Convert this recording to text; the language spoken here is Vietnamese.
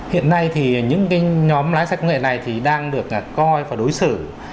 hiện nay thì những nhóm lái xe công nghệ này thì đang được coi và đối xử